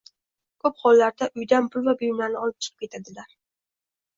ko‘p hollarda uydan pul va buyumlarni olib chiqib ketadilar.